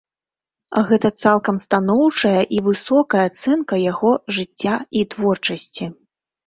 Гэта цалкам станоўчая і высокая ацэнка яго жыцця і творчасці.